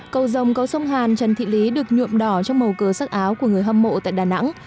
cầu rồng có sông hàn trần thị lý được nhuộm đỏ trong màu cờ sắc áo của người hâm mộ tại đà nẵng